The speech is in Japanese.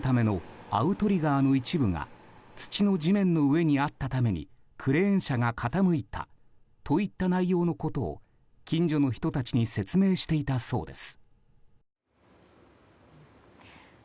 転倒を防止するためのアウトリガーの一部が土の地面の上にあったためにクレーン車が傾いたといった内容のことを近所の人たちに説明していたそうです。